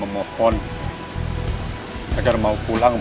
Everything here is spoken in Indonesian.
pertama kali tuan mudo pulang